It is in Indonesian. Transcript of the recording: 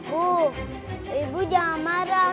bu ibu jangan marah